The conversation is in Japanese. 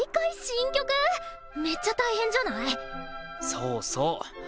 そうそう。